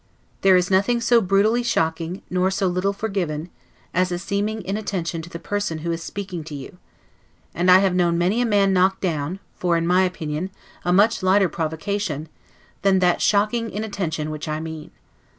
There is nothing so brutally shocking, nor so little forgiven, as a seeming inattention to the person who is speaking to you: and I have known many a man knocked down, for (in my opinion) a much lighter provocation, than that shocking inattention which I mean.